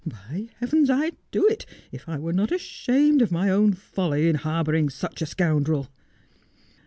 By heavens I'd do it, if I were not ashamed of my own folly in harbouring such a scoundrel.'